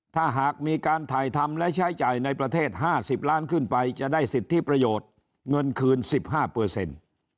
ถ้าหากมีการถ่ายทำและใช้จ่ายในประเทศห้าสิบล้านขึ้นไปจะได้สิทธิประโยชน์เงินคืน๑๕เปอร์เซ็นต์